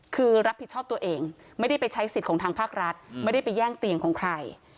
คือรับผิดชอบตัวเองไม่ได้ไปใช้สิทธิ์ของทางภาครัฐไม่ได้ไปแย่งเตียงของใคร